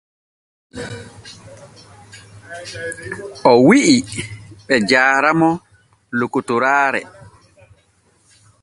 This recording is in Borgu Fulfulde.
O wi’i be jaara mo lokotoraare.